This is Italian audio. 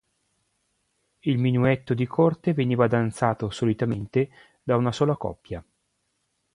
Il minuetto di corte veniva danzato solitamente da una sola coppia.